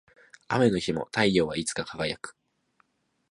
雨の日も太陽はいつか輝く